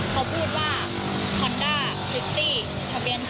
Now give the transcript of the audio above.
เขาพูดว่าฮอนด้าซิตตี้ทะเบียน๕